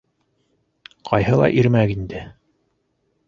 Ҡайһылай ирмәк инде!